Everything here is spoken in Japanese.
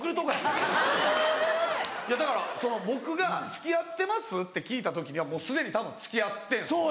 ・危ない・いやだから僕が「付き合ってます？」って聞いた時にはすでにたぶん付き合ってんですよ。